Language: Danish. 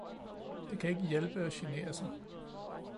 det kan ikke hjælpe at genere sig!